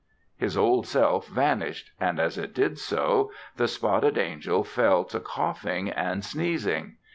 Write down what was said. His Old Self vanished and, as it did so, the spotted angel fell to coughing and sneezing.